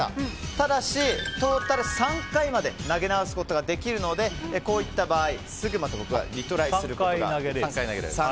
ただし、トータル３回まで投げ直すことができるのでこういった場合、すぐにリトライすることができます。